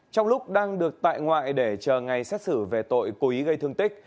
trong lúc đang được tại ngoại để chờ ngày xét xử về tội cố ý gây thương tích